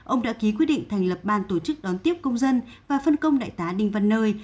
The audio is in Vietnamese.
ông đã ký quyết định thành lập ban tổ chức đón tiếp công dân và phân công đại tá đinh văn nơi